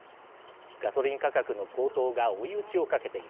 ガソリン価格の高騰が追い打ちをかけています。